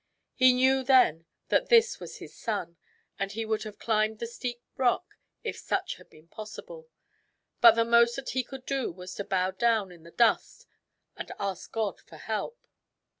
He knew then that this was his son, and he would have climbed the steep rock if such had been possible. But the most that he could do was to bow down in the dust and ask God for help.